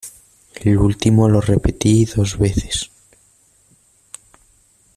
el último lo repetí dos veces: